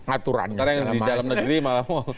aturannya tidak ada